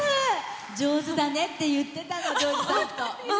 上手だねって言ってたの譲二さんと。